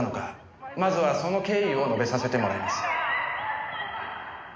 「まずはその経緯を述べさせてもらいます」